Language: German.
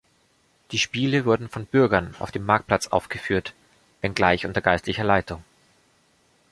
Die Spiele wurden von Bürgern auf dem Marktplatz aufgeführt, wenngleich unter geistlicher Leitung.